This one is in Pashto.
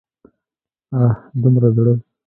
اه! دومره زړه!